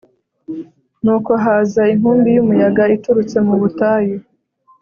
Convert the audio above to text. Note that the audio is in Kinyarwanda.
nuko haza inkubi y umuyaga iturutse mu butayu